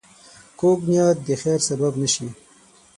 کوږ نیت د خیر سبب نه شي